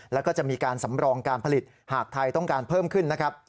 แล้วก็จะมีการสำรองการผลิตหากไทยต้องการเพิ่มขึ้นนะครับ